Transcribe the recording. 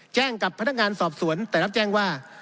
กับพนักงานสอบสวนแต่รับแจ้งว่า